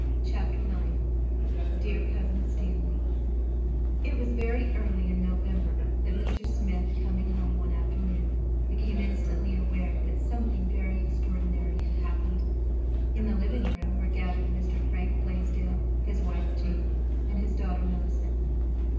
CHAPTER IX "DEAR COUSIN STANLEY" It was very early in November that Mr. Smith, coming home one afternoon, became instantly aware that something very extraordinary had happened. In the living room were gathered Mr. Frank Blaisdell, his wife, Jane, and their daughter, Mellicent.